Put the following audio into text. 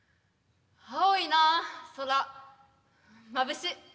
青いなあ空まぶし。